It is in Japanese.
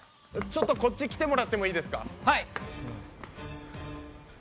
ちょっとこっち来てもらってもいいですか。